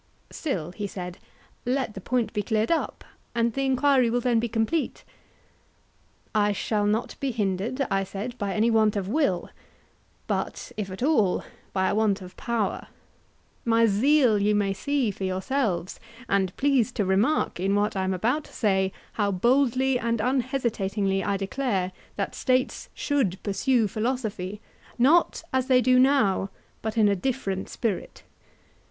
Still, he said, let the point be cleared up, and the enquiry will then be complete. I shall not be hindered, I said, by any want of will, but, if at all, by a want of power: my zeal you may see for yourselves; and please to remark in what I am about to say how boldly and unhesitatingly I declare that States should pursue philosophy, not as they do now, but in a different spirit.